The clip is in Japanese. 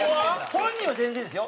本人は全然ですよ。